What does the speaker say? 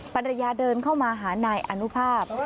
ภรรยาเดินเข้ามาหานายอนุภาพ